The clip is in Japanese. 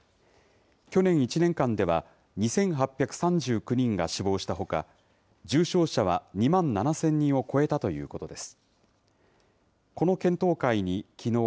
去年１年間では、２８３９人が死亡したほか、重傷者は２万７０００人を超えたということです。